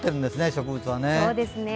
植物はね。